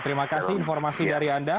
terima kasih informasi dari anda